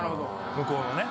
向こうのね。